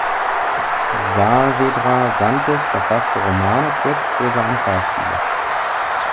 Saavedra Santis verfasste Romane, Kurzprosa und Schauspiele.